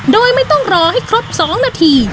โดยไม่ต้องรอให้ครบ๒นาที